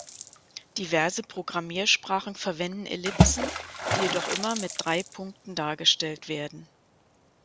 Diverse Programmiersprachen verwenden Ellipsen, die jedoch immer mit drei Punkten dargestellt werden.